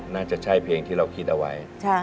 น่าจะใช่เพลงที่เราคิดเอาไว้